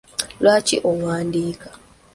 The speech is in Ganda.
Lwaki owandiika?